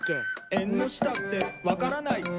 「えんのしたってわからないえん」